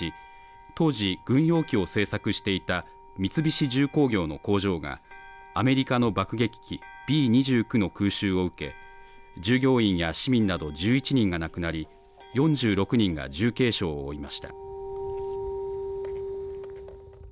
当時、軍用機を製作していた三菱重工業の工場がアメリカの爆撃機Ｂ２９の空襲を受け従業員や市民など１１人が亡くなり４６人が重軽傷を負いました。